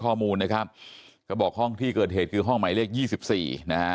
ชู้ก่อนค่ะส่วนเรื่องสามี